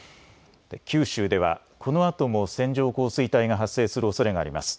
九州ではこのあとも線状降水帯が発生するおそれがあります。